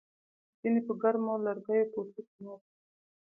ځینې په ګرمو لرګیو کوټو کې ناست وي